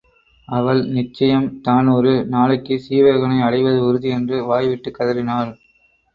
அவள் நிச்சயம் தான் ஒரு நாளைக்குச் சீவகனை அடைவது உறுதி என்று வாய்விட்டுக் கதறினாள்.